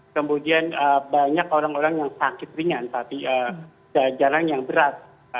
kemudian banyak orang orang yang sakit ringan tapi jalan yang berat